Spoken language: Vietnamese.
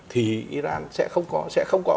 thì iran sẽ không có